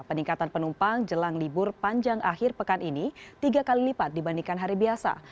peningkatan penumpang jelang libur panjang akhir pekan ini tiga kali lipat dibandingkan hari biasa